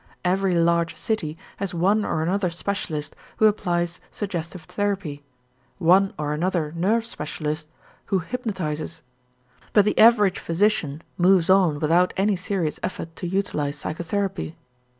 Every large city has one or another specialist who applies suggestive therapy, one or another nerve specialist who hypnotizes, but the average physician moves on without any serious effort to utilize psychotherapy.